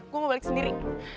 gue mau balik sendiri